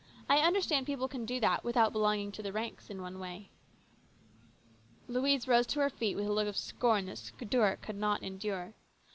I understand people can do that, without belonging to the ranks, in one way." Louise rose to her feet with a look of scorn that Stuart could not endure.